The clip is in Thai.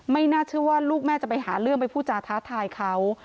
น่าเชื่อว่าลูกแม่จะไปหาเรื่องไปพูดจาท้าทายเขา